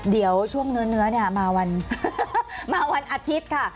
เดี๋ยวช่วงเนื้อมาวันอาทิตย์ค่ะ